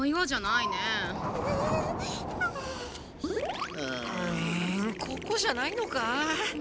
うんここじゃないのか？